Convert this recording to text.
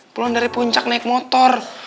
pulang dari puncak naik motor